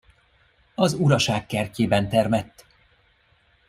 Az uraság kertjében termett!